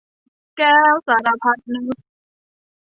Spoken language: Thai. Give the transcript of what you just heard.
แก้วสารพัดนึก